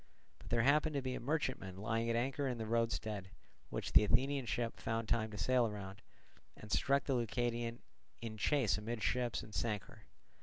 But there happened to be a merchantman lying at anchor in the roadstead, which the Athenian ship found time to sail round, and struck the Leucadian in chase amidships and sank her.